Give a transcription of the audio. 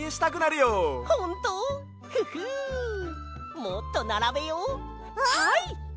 はい！